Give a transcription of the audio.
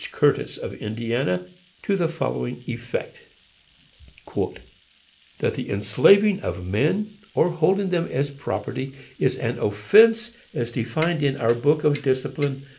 Curtiss, of Indiana, to the following effect: "That the enslaving of men, or holding them as property, is an offence, as defined in our Book of Discipline, ch.